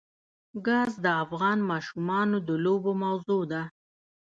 ګاز د افغان ماشومانو د لوبو موضوع ده.